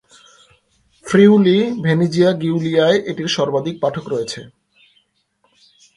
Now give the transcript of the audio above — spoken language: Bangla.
ফ্রিউলি-ভেনিজিয়া গিউলিয়ায় এটির সর্বাধিক পাঠক রয়েছে।